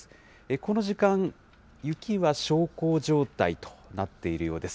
この時間、雪は小康状態となっているようです。